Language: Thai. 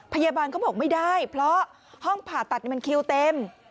พยาบาลก็บอกไม่ได้เพราะห้องผ่าตัดมันคิวเต็ม